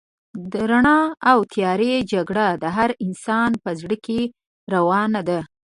د رڼا او تيارې جګړه د هر انسان په زړه کې روانه ده.